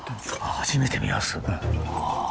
初めて見ます。